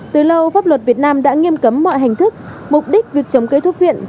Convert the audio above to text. từ lâu pháp luật việt nam đã nghiêm cấm mọi hành thức mục đích việc trồng cây thuốc viện